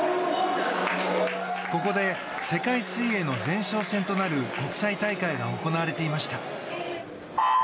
ここで世界水泳の前哨戦となる国際大会が行われていました。